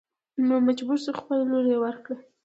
نو مجبور شو خپله لور يې ور کړه.